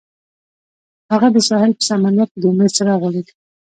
هغه د ساحل په سمندر کې د امید څراغ ولید.